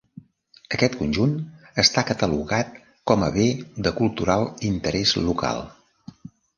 Aquest conjunt està catalogat com a bé cultural d'interès local.